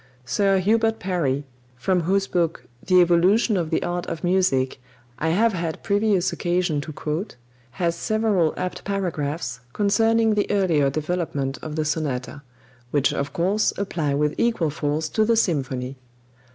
Sir Hubert Parry, from whose book, "The Evolution of the Art of Music," I have had previous occasion to quote, has several apt paragraphs concerning the earlier development of the sonata, which of course apply with equal force to the symphony.